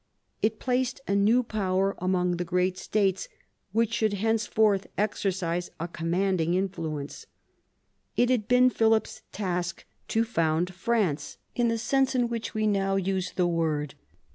It placed a new power among the great states, which should henceforth exercise a com manding influence. It had been Philip's task to found France in the sense in which we now use the word.